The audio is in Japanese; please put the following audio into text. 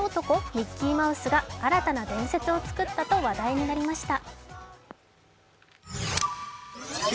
ミッキーマウスが新たな伝説を作ったと話題になりました。